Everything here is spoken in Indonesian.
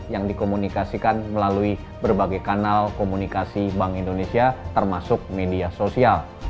yang dikomunikasikan melalui berbagai kanal komunikasi bank indonesia termasuk media sosial